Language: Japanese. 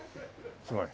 すごい。